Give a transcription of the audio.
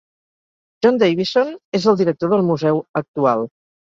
John Davison és el director del museu actual